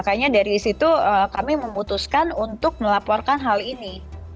jadi dari situ kami memutuskan untuk melaporkan hal ini